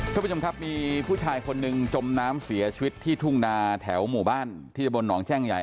ท่านผู้ชมครับมีผู้ชายคนหนึ่งจมน้ำเสียชีวิตที่ทุ่งนาแถวหมู่บ้านที่ตะบนหนองแช่งใหญ่